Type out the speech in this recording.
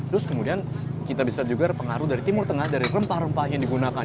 terus kemudian kita bisa juga pengaruh dari timur tengah dari rempah rempah yang digunakan